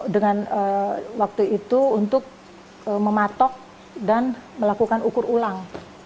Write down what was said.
dengan waktu itu untuk mematok dan melakukan ukur ulang